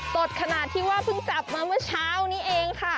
สดขนาดที่ว่าเพิ่งจับมาเมื่อเช้านี้เองค่ะ